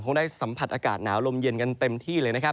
ได้สัมผัสอากาศหนาวลมเย็นกันเต็มที่เลยนะครับ